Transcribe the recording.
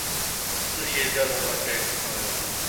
শুধু শিস দেওয়ার ব্যাপারটা একটু কমে গেল।